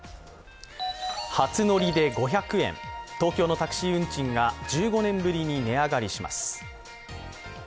初乗りで５００円、東京のタクシー運賃が１５年ぶりに値上がりします。